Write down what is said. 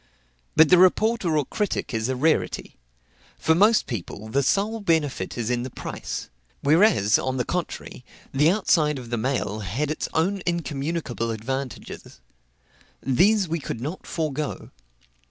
But the reporter or critic is a rarity. For most people, the sole benefit is in the price. Whereas, on the contrary, the outside of the mail had its own incommunicable advantages. These we could not forego.